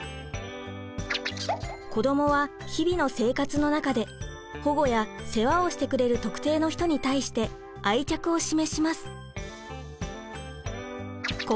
子どもは日々の生活の中で保護や世話をしてくれる特定の人に対して「愛着」を示します。